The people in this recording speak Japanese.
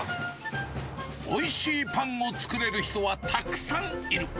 おいしいパンを作れる人はたくさんいる。